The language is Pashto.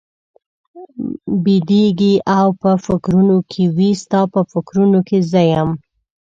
بېدېږي او په فکرونو کې وي، ستا په فکرونو کې زه یم؟